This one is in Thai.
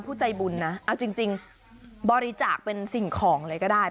ผู้ใจบุญนะเอาจริงบริจาคเป็นสิ่งของเลยก็ได้